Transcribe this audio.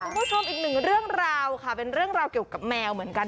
คุณผู้ชมอีกหนึ่งเรื่องราวค่ะเป็นเรื่องราวเกี่ยวกับแมวเหมือนกัน